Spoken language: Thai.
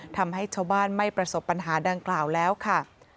ทำให้ชาวบ้านไม่ประสบปัญหาดังกล่าวแล้วค่ะ